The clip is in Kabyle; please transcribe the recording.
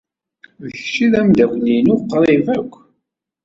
D kečč ay d ameddakel-inu uqrib akk.